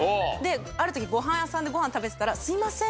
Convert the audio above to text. ある時ごはん屋さんでごはん食べてたら「すいません」